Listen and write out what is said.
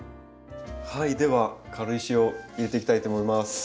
はいでは軽石を入れていきたいと思います。